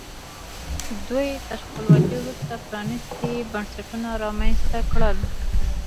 دوی تر خپلواکۍ وروسته پرانیستي بنسټونه رامنځته کړل.